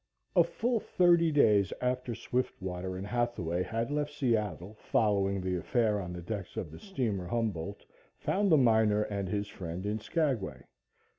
A FULL thirty days after Swiftwater and Hathaway had left Seattle, following the affair on the decks of the steamer "Humboldt," found the miner and his friend in Skagway.